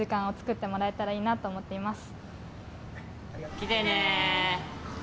来てね。